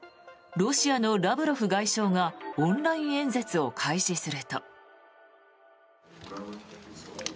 ロシアのラブロフ外相がオンライン演説を開始すると。